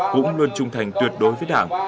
cũng luôn trung thành tuyệt đối với đảng